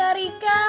sudah sama kakak ani